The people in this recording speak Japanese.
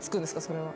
それは。